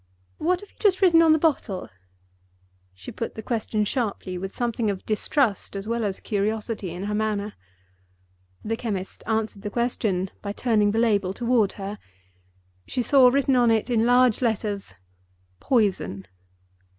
What have you just written on the bottle?" She put the question sharply, with something of distrust as well as curiosity in her manner. The chemist answered the question by turning the label toward her. She saw written on it, in large letters—POISON.